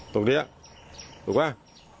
ตรงนี้ถูกไหม